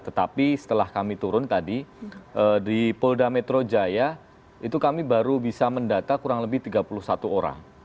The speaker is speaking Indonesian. tetapi setelah kami turun tadi di polda metro jaya itu kami baru bisa mendata kurang lebih tiga puluh satu orang